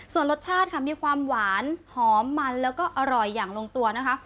ส่วนรสชาติค่ะมีความหวานหอมมันแล้วก็อร่อยอย่างลงตัวนะคะ